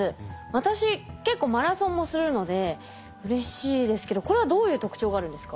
私結構マラソンもするのでうれしいですけどこれはどういう特徴があるんですか？